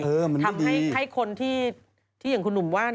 เออมันไม่ดีอเรนนี่ทำให้คนที่อย่างคุณหนุ่มว่า